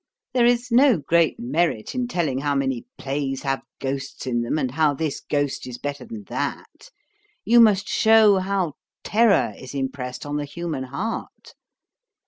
There is no great merit in telling how many plays have ghosts in them, and how this Ghost is better than that. You must shew how terrour is impressed on the human heart.